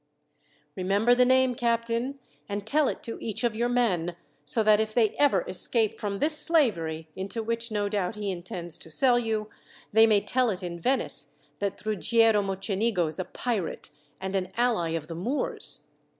"Remember the name, captain, and tell it to each of your men, so that if they ever escape from this slavery, into which, no doubt, he intends to sell you, they may tell it in Venice that Ruggiero Mocenigo is a pirate, and an ally of the Moors.